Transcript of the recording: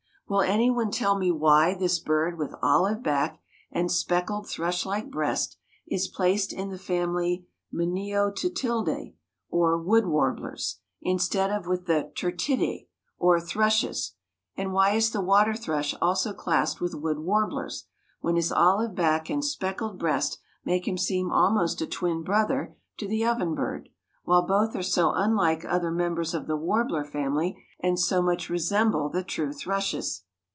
Will anyone tell me why this bird with olive back and speckled, thrush like breast, is placed in the family Mniotiltidæ, or wood warblers, instead of with the Turdidæ, or thrushes? And why is the "water thrush" also classed with wood warblers, when his olive back and speckled breast make him seem almost a twin brother to the oven bird, while both are so unlike other members of the warbler family, and so much resemble the true thrushes?